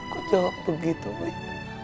kok jawab begitu wih